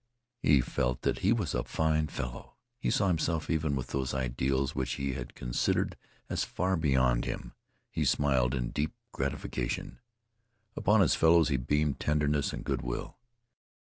He felt that he was a fine fellow. He saw himself even with those ideals which he had considered as far beyond him. He smiled in deep gratification. Upon his fellows he beamed tenderness and good will.